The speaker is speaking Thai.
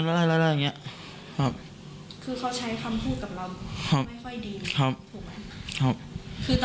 คือเขาใช้คำคูตกับรำไม่ค่อยดี